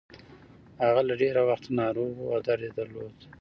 هغه له ډېره وخته ناروغه وه او درد يې درلود.